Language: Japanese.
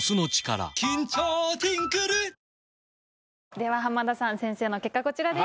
では浜田さん先生の結果こちらです。